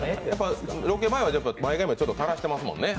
ロケ前は前髪ちょっと垂らしてますもんね。